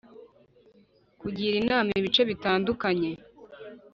Kugira inama ibice bitandukanye